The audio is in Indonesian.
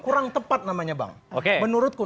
kurang tepat namanya bang oke menurutku